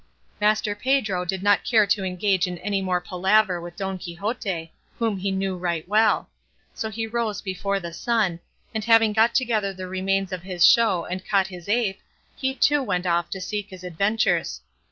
Master Pedro did not care to engage in any more palaver with Don Quixote, whom he knew right well; so he rose before the sun, and having got together the remains of his show and caught his ape, he too went off to seek his adventures.